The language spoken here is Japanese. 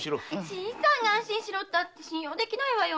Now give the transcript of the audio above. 新さんが言ったって信用できないわよ。